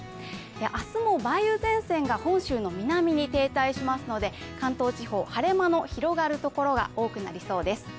明日も梅雨前線が本州の南に停滞しますので、関東地方、晴れ間の広がるところが多くなりそうです。